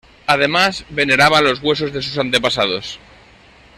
Además, veneraban los huesos de sus antepasados.